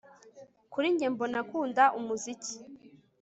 Kuri njye mbona akunda umuziki